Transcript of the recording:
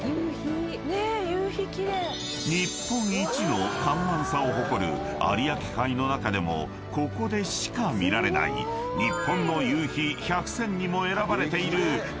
［日本一の干満差を誇る有明海の中でもここでしか見られない日本の夕陽百選にも選ばれている貴重な光景］